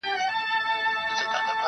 د ښایست یې پر ملکونو چوک چوکه سوه-